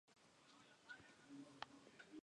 Luego vuelve a la escena en la que cae a la piscina.